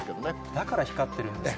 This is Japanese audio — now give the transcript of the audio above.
だから光ってるんですね。